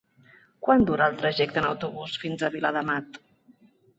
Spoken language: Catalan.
Quant dura el trajecte en autobús fins a Viladamat?